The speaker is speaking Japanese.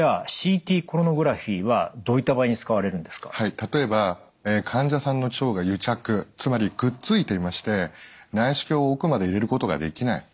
例えば患者さんの腸が癒着つまりくっついていまして内視鏡を奥まで入れることができない。